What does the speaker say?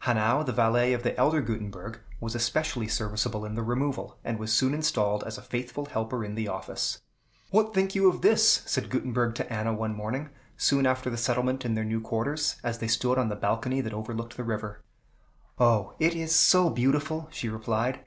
Hanau, the valet of the elder Gutenberg, was especially serviceable in the removal, and was soon installed as a faithful helper in the office. "What think you of this?" said Gutenberg to Anna one morning, soon after the settlement in their new quarters, as they stood on the balcony that overlooked the river. "O, it is so beautiful!" she replied.